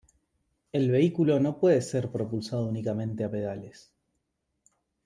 El vehículo no puede ser propulsado únicamente a pedales.